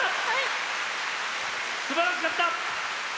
すばらしかった！